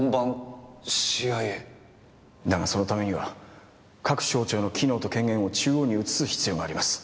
だがそのためには各省庁の機能と権限を中央に移す必要があります。